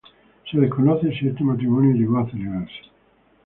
Se desconoce si este matrimonio llegó a celebrarse.